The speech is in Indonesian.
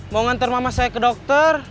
mau ngantar mama saya ke dokter